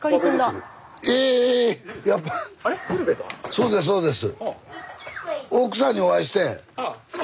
そうですそうです。